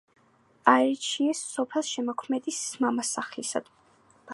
აირჩიეს სოფელ შემოქმედის მამასახლისად.